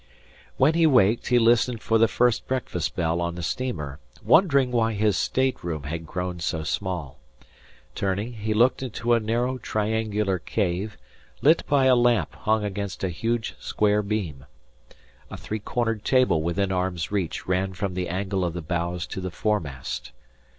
When he waked he listened for the first breakfast bell on the steamer, wondering why his state room had grown so small. Turning, he looked into a narrow, triangular cave, lit by a lamp hung against a huge square beam. A three cornered table within arm's reach ran from the angle of the bows to the foremast.